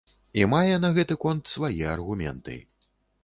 І мае на гэты конт свае аргументы.